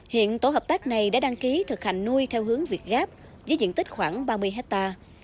hiện tổ hợp tác này đã đăng ký thực hành nuôi theo hướng việt gáp với diện tích khoảng ba mươi hectare